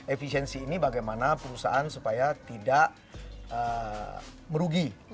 efisiensi ini bagaimana perusahaan supaya tidak merugi